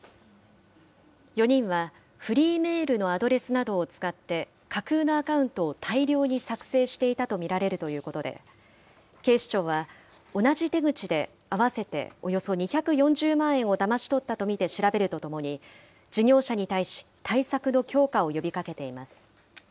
４人はフリーメールのアドレスなどを使って、架空のアカウントを大量に作成していたと見られるということで、警視庁は、同じ手口で合わせておよそ２４０万円をだまし取ったと見て調べるとともに、事業者に対し、対策の強化を呼びかけています。